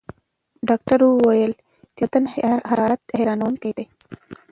ډاکټره وویل چې د بدن حرارت حیرانوونکی دی.